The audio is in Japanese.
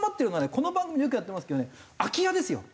この番組でよくやってますけどね空き家ですよ。